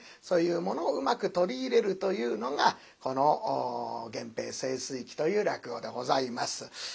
そういうものをうまく取り入れるというのがこの「源平盛衰記」という落語でございます。